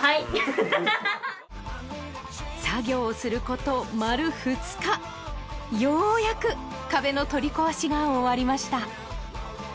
作業すること丸二日ようやく壁の取り壊しが終わりました